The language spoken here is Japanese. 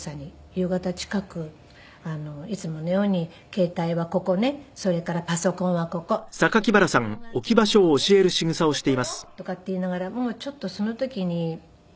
夕方近くいつものように「携帯はここね。それからパソコンはここ」「老眼鏡ここね。ここよ」とかって言いながらもうちょっとその時に。